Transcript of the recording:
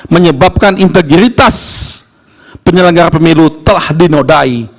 menyebabkan integritas penyelenggara pemilu telah dinodai